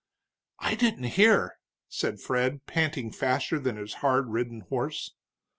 "I didn't hear," said Fred, panting faster than his hard ridden horse.